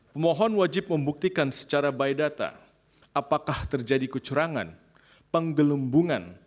pemohon wajib membuktikan secara by data apakah terjadi kecurangan penggelembungan